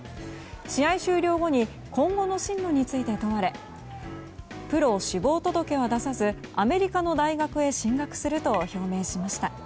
試合終了後に今後の進路について問われプロ志望届は出さずアメリカの大学へ進学すると表明しました。